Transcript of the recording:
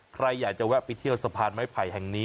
ใครอยากจะแวะไปเที่ยวสะพานไม้ไผ่แห่งนี้